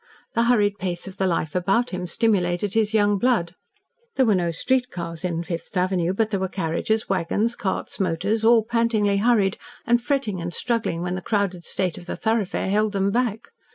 The hurried pace of the life about him stimulated his young blood. There were no street cars in Fifth Avenue, but there were carriages, waggons, carts, motors, all pantingly hurried, and fretting and struggling when the crowded state of the thoroughfare held them back.